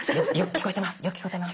聞こえてます？